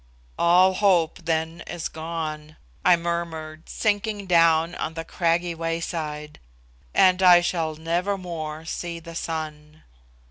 "All hope, then, is gone," I murmured, sinking down on the craggy wayside, "and I shall nevermore see the sun."